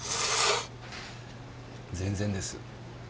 全然です。